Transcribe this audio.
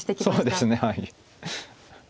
そうですねはい。